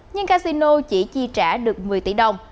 nhưng casino chỉ chi trả được một mươi tỷ đồng